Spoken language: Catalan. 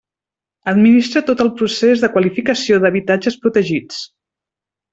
Administra tot el procés de qualificació d'habitatges protegits.